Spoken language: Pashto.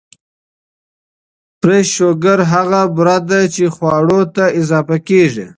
Fresh sugars هغه بوره ده چې خواړو ته اضافه کېږي.